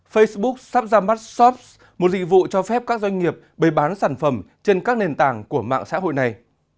facebook sắp ra mắt shops một dịch vụ cho phép các doanh nghiệp bày bán sản phẩm trên các nền tảng của mạng xã hội này